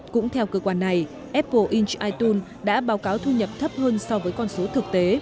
cũng theo cơ quan này apple inch itune đã báo cáo thu nhập thấp hơn so với con số thực tế